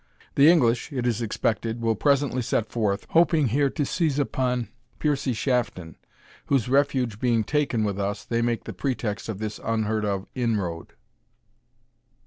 The English, it is expected, will presently set forth, hoping here to seize upon Piercie Shafton, whose refuge being taken with us, they make the pretext of this unheard of inroad."